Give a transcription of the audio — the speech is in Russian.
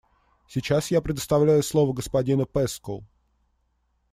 Сейчас я предоставляю слово господину Пэскоу.